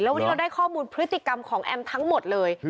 วันนี้เราได้ข้อมูลพฤติกรรมของแอมทั้งหมดเลย